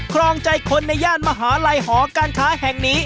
ครองใจคนในย่านมหาลัยหอการค้าแห่งนี้